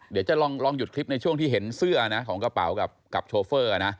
เดี๋ยวจะลองหยุดคลิปในช่วงที่เห็นเสื้อนะของกระเป๋ากับโชเฟอร์นะ